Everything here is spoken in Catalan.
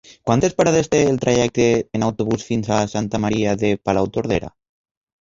Quantes parades té el trajecte en autobús fins a Santa Maria de Palautordera?